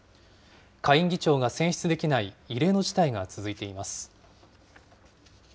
下院議長が選出できない異例の事態が続いています。